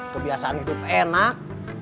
kebiasaan hidup enak